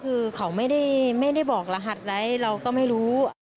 คือเขาไม่ได้บอกรหัสไว้เราก็ไม่รู้